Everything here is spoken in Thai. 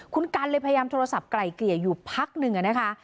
คุณกันเลยพยายามโทรศัพท์ไกลเกลี่ยอยู่พักหนึ่งนะคะ